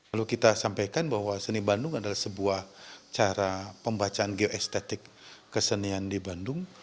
lalu kita sampaikan bahwa seni bandung adalah sebuah cara pembacaan geoestetik kesenian di bandung